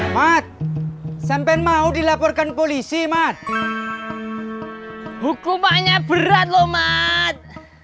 mat sampen mau dilaporkan polisi mat hukumannya berat loh mat